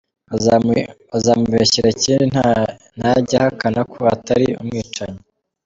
Bazamubeshyere ikindi ntajya ahakana ko atari umwicanyi.